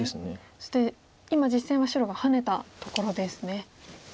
そして今実戦は白がハネたところですね。